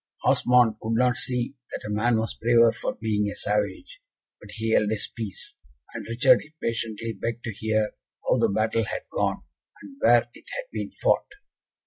Osmond could not see that a man was braver for being a savage, but he held his peace; and Richard impatiently begged to hear how the battle had gone, and where it had been fought.